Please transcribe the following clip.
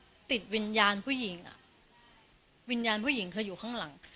มันคือรูปติดวิญญาณผู้หญิงอ่ะวิญญาณผู้หญิงคืออยู่ข้างหลัง